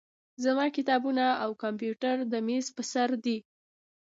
زما کتابونه او کمپیوټر د میز په سر دي.